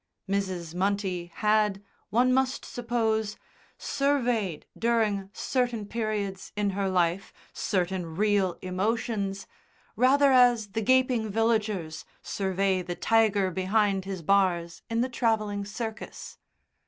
Mrs. Munty had, one must suppose, surveyed during certain periods in her life certain real emotions rather as the gaping villagers survey the tiger behind his bars in the travelling circus.